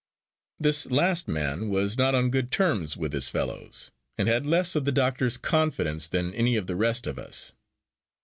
This last man was not on good terms with his fellows, and had less of the doctor's confidence than any of the rest of us.